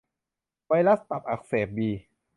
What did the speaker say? ไวรัสตับอักเสบบี